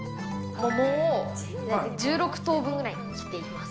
桃を１６等分ぐらいに切っていきます。